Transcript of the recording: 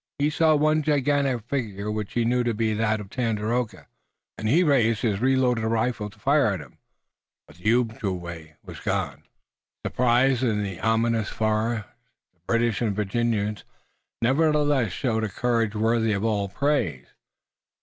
He saw one gigantic figure which he knew to be that of Tandakora, and he raised his reloaded rifle to fire at him, but the Ojibway was gone. Surprised in the ominous forest, the British and the Virginians nevertheless showed a courage worthy of all praise.